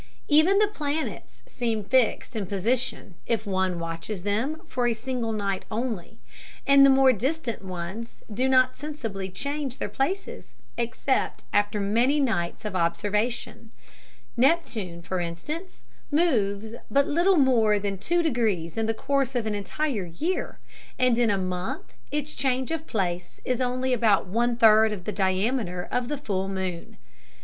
Even the planets seem fixed in position if one watches them for a single night only, and the more distant ones do not sensibly change their places, except after many nights of observation. Neptune, for instance, moves but little more than two degrees in the course of an entire year, and in a month its change of place is only about one third of the diameter of the full moon.